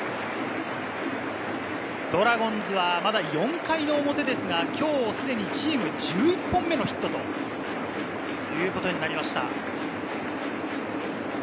ドラゴンズはまだ４回の表ですが、今日すでにチーム１１本目のヒットということになりました。